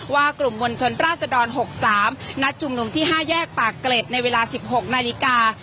กลุ่มมวลชนราศดร๖๓นัดชุมนุมที่๕แยกปากเกร็ดในเวลา๑๖นาฬิกา